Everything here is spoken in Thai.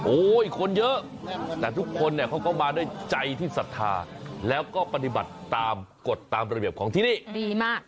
คนเยอะแต่ทุกคนเนี่ยเขาก็มาด้วยใจที่ศรัทธาแล้วก็ปฏิบัติตามกฎตามระเบียบของที่นี่ดีมาก